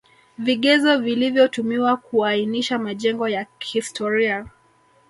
Vigezo vilivyotumiwa kuainisha majengo ya kihstoria